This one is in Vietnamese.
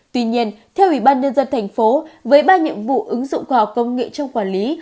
tuy nhiên theo ủy ban nhân dân thành phố với ba nhiệm vụ ứng dụng khoa học công nghệ trong quản lý